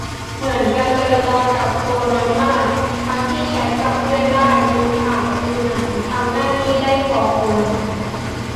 เหมือนกันเลย ตอนกักตัว นอยมาก ทั้งที่ก็แชตกับเพื่อนได้ ดูข่าว ดูหนัง ทำนั่นนี่ได้พอควร